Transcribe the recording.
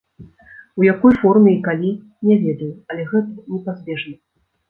У якой форме і калі, не ведаю, але гэта непазбежна.